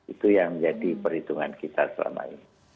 itu yang menjadi perhitungan kita selama ini